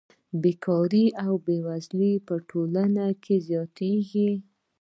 بېکاري او بېوزلي په ټولنه کې زیاتېږي